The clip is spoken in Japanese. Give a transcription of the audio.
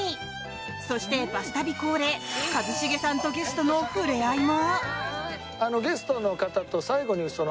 そしてバス旅恒例一茂さんとゲストの触れ合いも。